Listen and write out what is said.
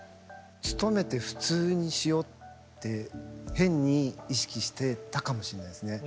努めて普通にしようって変に意識してたかもしれないですね。